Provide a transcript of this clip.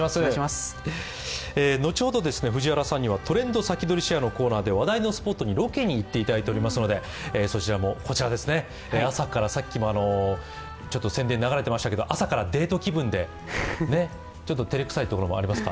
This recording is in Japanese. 後ほど藤原さんには「トレンドさきどり＃シェア」で話題のスポットにロケに行っていただいておりますのでそちらも、さっきも宣伝流れてましたけど朝からデート気分で、ちょっと照れくさいところもありますか。